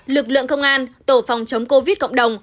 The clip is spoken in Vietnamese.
lực lượng công an tổ phòng chống covid cộng đồng